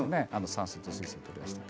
酸素と水素を取り出して。